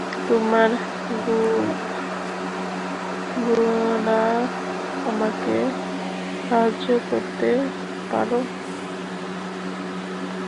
তোমরা গুণ্ডারা আমাকে সাহায্য করতে পারো।